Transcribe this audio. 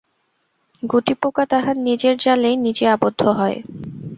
গুটিপোকা তাহার নিজের জালেই নিজে আবদ্ধ হয়।